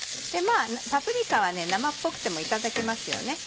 パプリカは生っぽくてもいただけますよね。